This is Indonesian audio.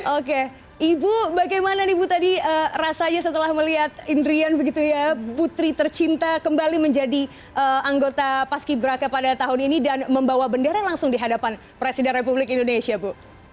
oke ibu bagaimana nih bu tadi rasanya setelah melihat indrian begitu ya putri tercinta kembali menjadi anggota paski braka pada tahun ini dan membawa bendera langsung di hadapan presiden republik indonesia bu